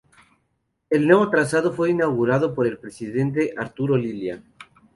El nuevo trazado fue inaugurado por el Presidente Arturo Illia.